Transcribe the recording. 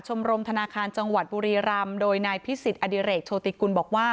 รมธนาคารจังหวัดบุรีรำโดยนายพิสิทธิอดิเรกโชติกุลบอกว่า